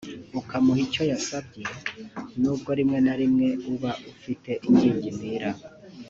ukamuha icyo yasabye n’ubwo rimwe na rimwe uba ufite ingingimira